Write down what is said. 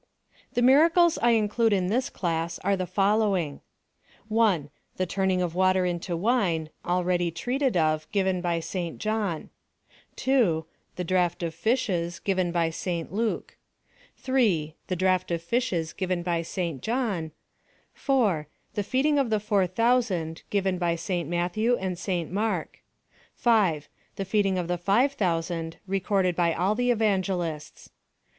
The miracles I include in this class are the following: 1. The turning of water into wine, already treated of, given by St John. 2. The draught of fishes, given by St Luke. 3. The draught of fishes, given by St John. 4 The feeding of the four thousand, given by St Matthew and St Mark. 5. The feeding of the five thousand, recorded by all the Evangelists.